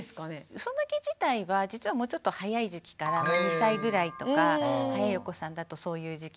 うそ泣き自体は実はもうちょっと早い時期から２歳ぐらいとか早いお子さんだとそういう時期から。